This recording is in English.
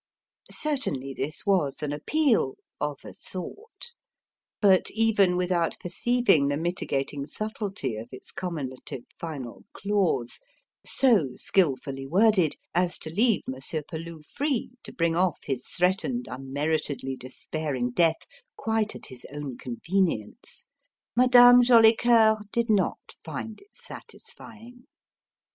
Certainly, this was an appeal of a sort. But even without perceiving the mitigating subtlety of its comminative final clause so skilfully worded as to leave Monsieur Peloux free to bring off his threatened unmeritedly despairing death quite at his own convenience Madame Jolicoeur did not find it satisfying.